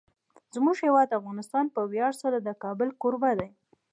زموږ هیواد افغانستان په ویاړ سره د کابل کوربه دی.